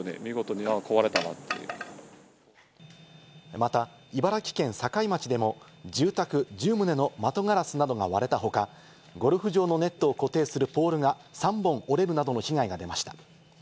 また、茨城県境町でも住宅１０棟の窓ガラスなどが割れた他、ゴルフ場のネットを固定するポールが３本折れるなどの被害が出ました。